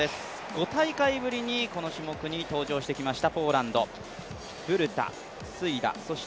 ５大会ぶりにこの種目に登場してきました。